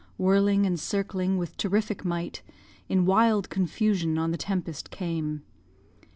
Whirling and circling with terrific might, In wild confusion on the tempest came.